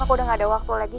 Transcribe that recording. aku udah gak ada waktu lagi